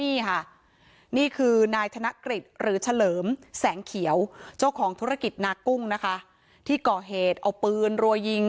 นี่ค่ะนี่คือนายธนกฤษหรือเฉลิมแสงเขียวเจ้าของธุรกิจนากุ้งนะคะที่ก่อเหตุเอาปืนรัวยิง